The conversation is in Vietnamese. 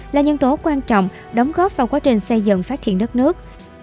là nhân tố quan trọng đóng góp vào quá trình xây dựng phát triển đất nước